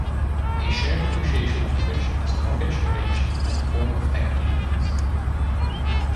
A shared appreciation mortgage is a mortgage arranged as a form of equity release.